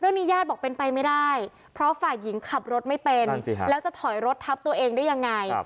ญาติบอกเป็นไปไม่ได้เพราะฝ่ายหญิงขับรถไม่เป็นแล้วจะถอยรถทับตัวเองได้ยังไง